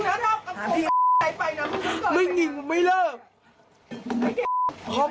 ทำอย่างงี้ทำไมเนี่ย